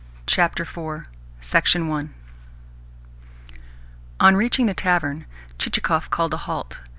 CHAPTER IV On reaching the tavern, Chichikov called a halt.